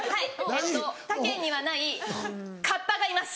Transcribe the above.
えっと他県にはないカッパがいます。